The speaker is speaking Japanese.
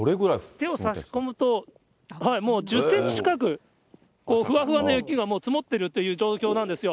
手を差し込むともう１０センチ近く、ふわふわの雪がもう積もってるという状況なんですよ。